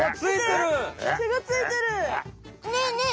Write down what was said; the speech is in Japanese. ねえねえ